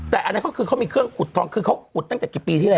แต่อันนั้นก็คือเขามีเครื่องขุดทองคือเขาขุดตั้งแต่กี่ปีที่แล้ว